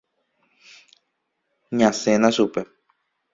Ñasẽna chupe.